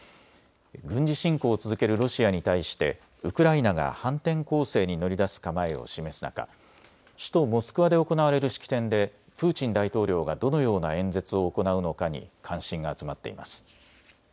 軍事侵攻を続けるロシアに対してウクライナが反転攻勢に乗り出す構えを示す中、首都モスクワで行われる式典でプーチン大統領がどのような演説を行うのかに関心が集まっています。